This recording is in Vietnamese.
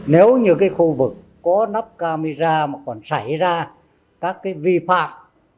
nếu như cái khu vực có nắp camera mà còn xảy ra các cái vi phạm